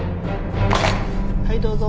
はいどうぞ。